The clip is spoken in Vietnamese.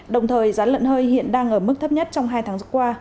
đồng thời giá lợn hơi hiện đang ở mức thấp nhất trong hai tháng qua